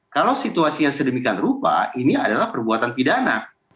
kalau situasi yang sedemikian rupa ini adalah perbuatan pidana